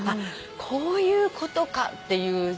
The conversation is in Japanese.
こういうことかっていう。